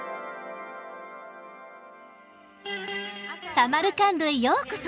サマルカンドへようこそ。